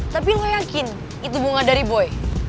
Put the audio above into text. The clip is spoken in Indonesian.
tapi gue yakin itu bunga dari boy